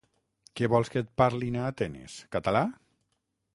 Què vols que et parlin, a Atenes, català?